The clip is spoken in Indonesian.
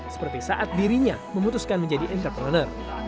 seperti saat dirinya memutuskan menjadi entrepreneur